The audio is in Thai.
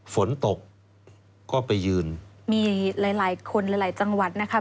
ฝนตกก็ไปยืนมีหลายหลายคนหลายหลายจังหวัดนะคะ